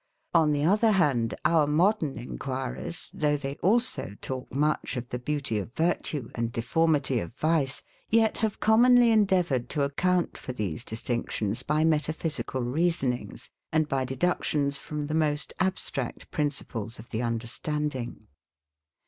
On the other hand, our modern enquirers, though they also talk much of the beauty of virtue, and deformity of vice, yet have commonly endeavoured to account for these distinctions by metaphysical reasonings, and by deductions from the most abstract principles of the understanding.